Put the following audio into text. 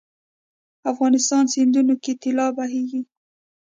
افغانستان سیندونو کې طلا بهیږي